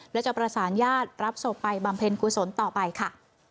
และจะประสานญาติรับศพไปบำเพ็ญกุศลต่อไปค่ะ